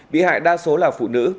bị hại đa số là phụ nữ